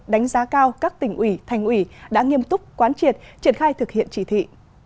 đánh giá cao các tỉnh ủy thành ủy đã nghiêm túc quán triệt triển khai thực hiện chỉ thị